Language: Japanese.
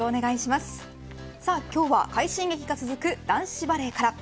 さあ今日は快進撃が続く男子バレーから。